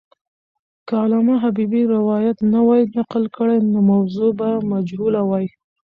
که علامه حبیبي روایت نه وای نقل کړی، نو موضوع به مجهوله وای.